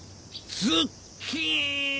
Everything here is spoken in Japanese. ズッキーン。